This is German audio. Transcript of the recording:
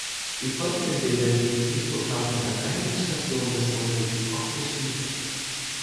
Die folgenden Bilder geben die Infotafeln an einigen Stationen des Rundwegs optisch wieder.